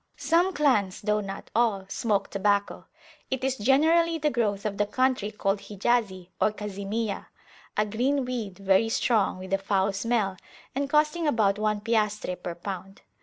Some clans, though not all, smoke tobacco. It is generally the growth of the country called Hijazi or Kazimiyah; a green weed, very strong, with a foul smell, and costing about one piastre per pound.